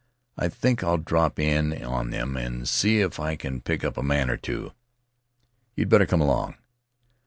"I think I'll drop in on them and see if I can pick up a man or two. You'd better come along."